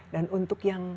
dan untuk yang